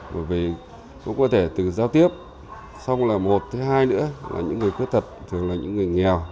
bởi vì cũng có thể từ giao tiếp xong là một thứ hai nữa là những người khuyết tật thường là những người nghèo